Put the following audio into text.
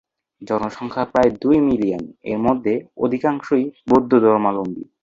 জনসংখ্যা প্রায় দু মিলিয়ন, এর মধ্যে অধিকাংশই বৌদ্ধ ধর্মাবলম্বী।